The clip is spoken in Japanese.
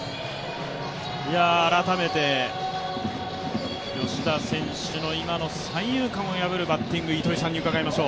改めて吉田選手の今の三遊間を破るバッティング、糸井さんに伺いましょう。